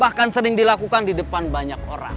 bahkan sering dilakukan di depan banyak orang